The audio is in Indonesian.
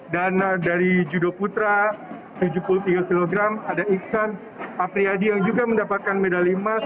dan dari judo putra tujuh puluh tiga kg ada iksan apriyadi yang juga mendapatkan medali emas